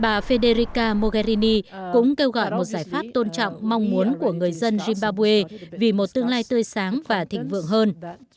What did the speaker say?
bà federica mogherini cũng kêu gọi một giải pháp tôn trọng mong muốn của người dân zimbabwe vì một tương lai tươi sáng và thịnh vượng hơn